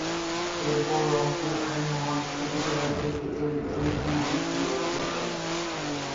এরপর রংপুর আইন মহাবিদ্যালয় থেকে এলএলবি ডিগ্রি অর্জন করেন।